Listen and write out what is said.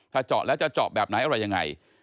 ถ้าเจาะแล้วจะเจาะแบบไหนอะไรยังไง